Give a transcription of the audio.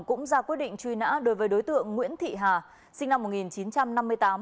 cũng ra quyết định truy nã đối với đối tượng nguyễn thị hà sinh năm một nghìn chín trăm năm mươi tám